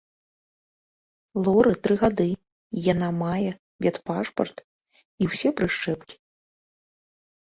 Лоры тры гады, яна мае ветпашпарт і ўсе прышчэпкі.